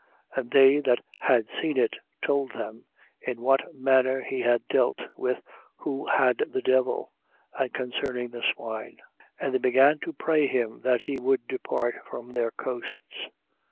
5:16. And they that had seen it, told them, in what manner he had been dealt with who had the devil; and concerning the swine. 5:17. And they began to pray him that he would depart from their coasts.